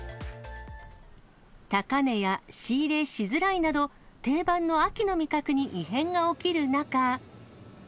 高値や仕入しづらいなど、定番の秋の味覚に異変が起きる中。